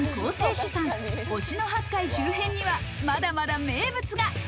資産・忍野八海周辺にはまだまだ名物が。